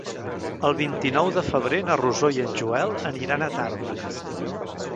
El vint-i-nou de febrer na Rosó i en Joel aniran a Tàrbena.